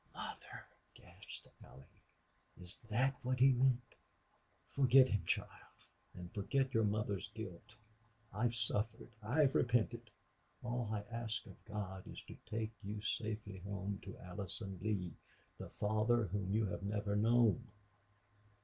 "Mother!" gasped Allie, "is THAT what he meant?" "Forget him, child. And forget your mother's guilt!... I've suffered. I've repented.... All I ask of God is to take you safely home to Allison Lee the father whom you have never known."